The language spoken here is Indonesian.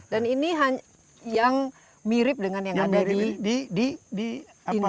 dan ini yang mirip dengan yang ada di india